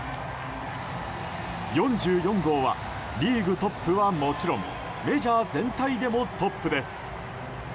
４４号はリーグトップはもちろんメジャー全体でもトップです。